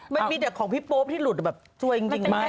ไม่มีแต่ของพี่โป๊ปที่หลุดแบบสั่วจริงหรืออะไร